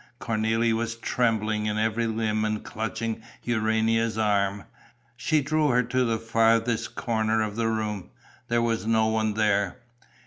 Cornélie was trembling in every limb and clutching Urania's arm. She drew her to the farthest corner of the room. There was no one there.